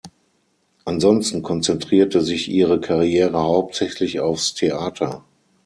Ansonsten konzentrierte sich ihre Karriere hauptsächlich aufs Theater.